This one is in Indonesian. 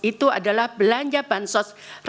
itu adalah belanja bantuan sosial